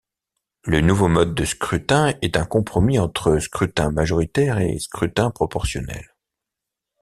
Le nouveau mode de scrutin est un compromis entre scrutin majoritaire et scrutin proportionnel.